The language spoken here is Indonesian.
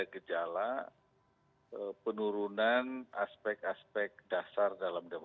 misalnya yang sudah lama